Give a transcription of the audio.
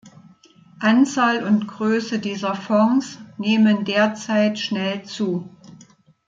Anzahl und Größe dieser Fonds nehmen derzeit schnell zu.